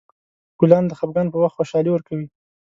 ګلان د خفګان په وخت خوشحالي ورکوي.